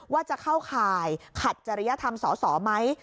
ว่าจะเข้าข่ายขัดจริยธรรมสอสอไหม